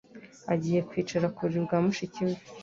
Agiye kwicara ku buriri bwa mushiki we